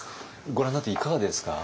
ご覧になっていかがですか？